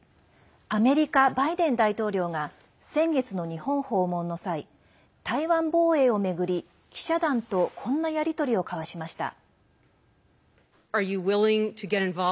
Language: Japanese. アメリカ、バイデン大統領が先月の日本訪問の際台湾防衛を巡り、記者団とこんなやり取りを交わしました。